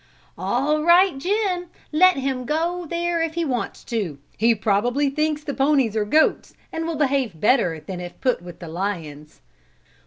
"All right, Jim, let him go there if he wants to. He probably thinks the ponies are goats and will behave better than if put with the lions."